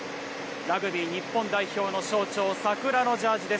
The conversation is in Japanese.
ラグビー日本代表の象徴、桜のジャージです。